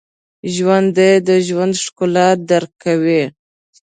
ژوندي د ژوند ښکلا درک کوي